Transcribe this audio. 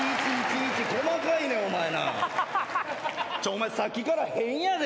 お前さっきから変やで。